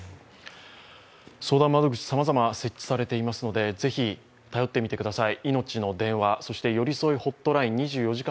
相談窓口さまざま設置されていますのでぜひ頼ってみてください。